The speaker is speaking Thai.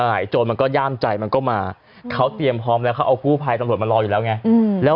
ใช่โจรมันก็ย่ามใจมันก็มาเขาเตรียมพร้อมแล้วเขาเอากู้ภัยตำรวจมารออยู่แล้วไงแล้ว